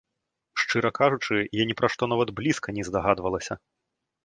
Шчыра кажучы, я ні пра што нават блізка не здагадвалася!